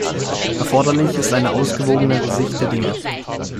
Erforderlich ist eine ausgewogenere Sicht der Dinge.